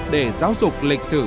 để giáo dục lịch sử